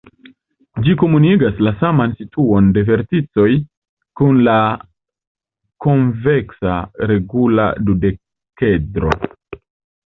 Ĝi komunigas la saman situon de verticoj kun la konveksa regula dudekedro.